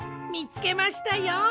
みつけましたよ。